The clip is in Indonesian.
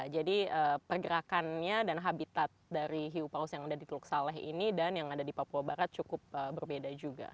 jadi pergerakannya dan habitat dari hiu paus yang ada di teluk saleh ini dan yang ada di papua barat cukup berbeda juga